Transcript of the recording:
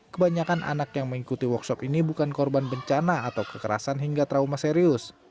kebanyakan anak yang mengikuti workshop ini bukan korban bencana atau kekerasan hingga trauma serius